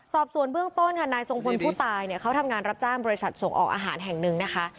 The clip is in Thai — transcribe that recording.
สอบส่วนเบื้องต้นค่ะนายทรงพลผู้ตายเนี่ยเขาทำงานรับจ้างบริษัทส่งออกอาหารแห่งหนึ่งนะคะ